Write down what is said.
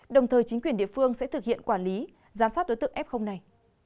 đồng thời chính quyền địa phương sẽ thực hiện quản lý giám sát đối tượng f này